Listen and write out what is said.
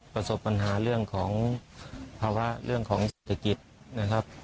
ประสบปัญหาเรื่องของภาวะเรื่องของเศรษฐกิจนะครับ